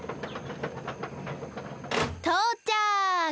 とうちゃく！